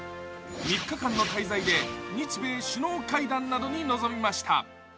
３日間の滞在で日米首脳会談などに臨みました。